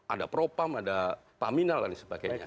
ada propam ada paminal dan sebagainya